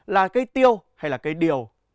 là cây tiêu hay là cây điều